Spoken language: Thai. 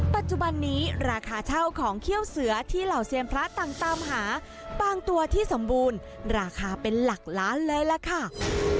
ปัจจุบันนี้ราคาเช่าของเขี้ยวเสือที่เหล่าเซียนพระต่างตามหาบางตัวที่สมบูรณ์ราคาเป็นหลักล้านเลยล่ะค่ะ